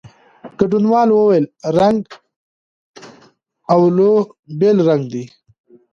ګډونوالو وویل، رنګ "اولو" بېل رنګ دی.